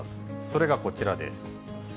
それがこちらです。